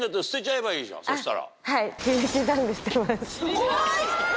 そしたら。